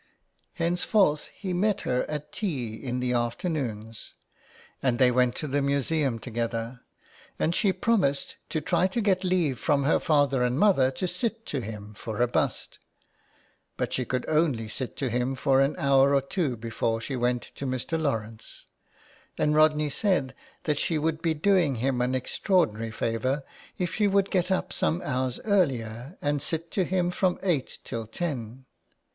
Henceforth he met her at tea in the afternoons, and they went to the museum together, and she promised to try to get leave from her father and mother to sit to him for a bust. But she could only sit to him for an hour or two before she went to Mr. Lawrence, and Rodney said that she would be doing him an extraordinary favour if she would get up some hours earlier and sit to him from eight till ten.